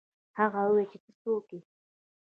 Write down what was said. هغه وویل چې ته څوک یې.